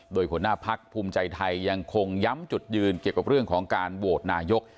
โดยหัวหน้าพักภูมิใจไทยยังคงย้ำจุดยืนเกี่ยวกับเรื่องของการโหวตนายก